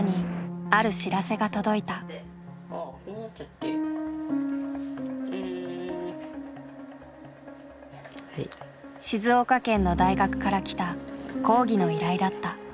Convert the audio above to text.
静岡県の大学から来た講義の依頼だった。